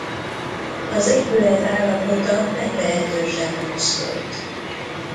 Az épület állapota meglehetősen rossz volt.